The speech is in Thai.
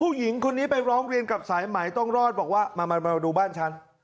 ผู้หญิงคนนี้ไปร้องเรียนกับสายไหมต้องรอดบอกว่ามาดูบ้านฉัน